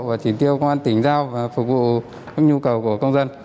và chỉ tiêu công an tỉnh giao và phục vụ các nhu cầu của công dân